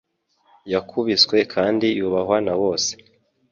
yakubiswe kandi yubahwa na bose